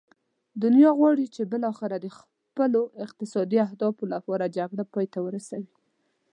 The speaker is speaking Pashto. دنیا غواړي چې بالاخره د خپلو اقتصادي اهدافو لپاره جګړه پای ته ورسوي.